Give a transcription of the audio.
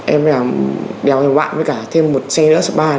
em đèo thêm bạn với cả thêm một xe nữa sắp ba